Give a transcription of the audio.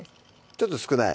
ちょっと少ない？